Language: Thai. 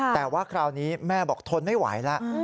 แต่ว่าคราวนี้แม่บอกทนไม่ไหวแล้ว